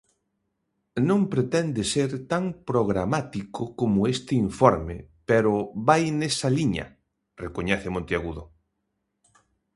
"Non pretende ser tan programático como este informe, pero vai nesa liña", recoñece Monteagudo.